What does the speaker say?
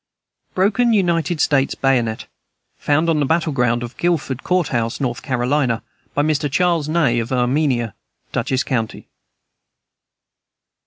Broken United States bayonet, found on the battle ground of Guilford Courthouse, North Carolina. By Mr. Charles Ney, of Amenia, Dutchess county.